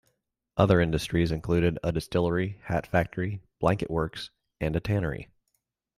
Other industries included a distillery, hat factory, blanket works, and a tannery.